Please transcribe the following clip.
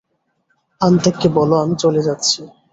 আন্তেককে বলো আমি চলে যাচ্ছি।